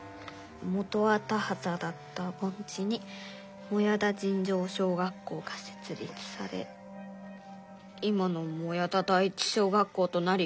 「元は田はただったぼん地に靄田尋常小学校がせつ立され今の靄田第一小学校となり」。